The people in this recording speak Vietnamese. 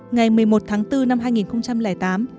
ngày một mươi một tháng bốn năm hai nghìn tám